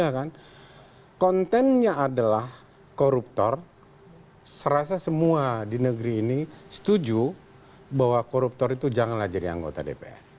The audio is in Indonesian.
karena kpu adalah koruptor serasa semua di negeri ini setuju bahwa koruptor itu janganlah jadi anggota dpr